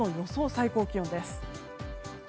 最高気温です。